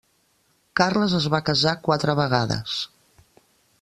Carles es va casar quatre vegades.